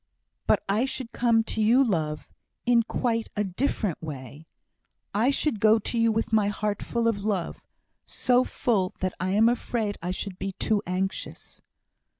"But I should come to you, love, in quite a different way; I should go to you with my heart full of love so full that I am afraid I should be too anxious."